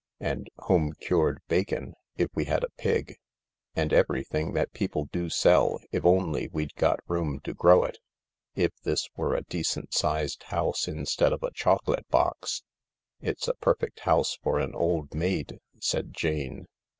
" And ' Home Cured Bacon ' if we had a pig." "And everything that people do sell if only we'd got room to grow it — if this were a decent sized house instead of a chocolate box." "It's the perfect house for an old maid," said Jane.